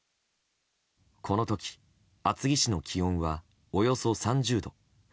この時、厚木市の気温はおよそ３０度。